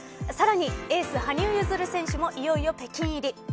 さらに、エース羽生結弦選手もいよいよ北京入り。